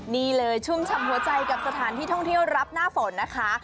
นี่เลยชุ่มฉ่ำหัวใจกับสถานที่ท่องเที่ยวรับหน้าฝนนะคะ